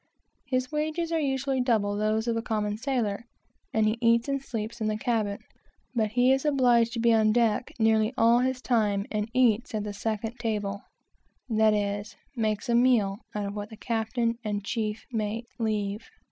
His wages are usually double those of a common sailor, and he eats and sleeps in the cabin; but he is obliged to be on deck nearly all the time, and eats at the second table, that is, makes a meal out of what the captain and chief mate leave.